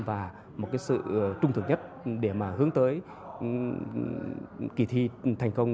và một cái sự trung thực nhất để mà hướng tới kỳ thi thành công